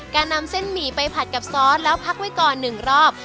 การนำเส้นหมี่ไปผัดกับซอสแล้วพักไว้ก่อน๑รอบ